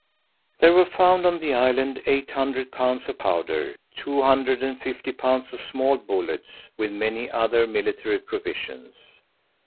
There were found on the island eight hundred pounds of powder, two hundred and fifty pounds of small bullets, with many other military provisions.